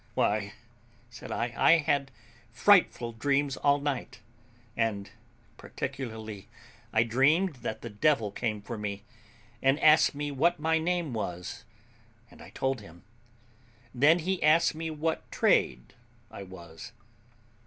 "Why," said I, "I had frightful dreams all night; and, particularly, I dreamed that the devil came for me, and asked me what my name was; and I told him. Then he asked me what trade I was.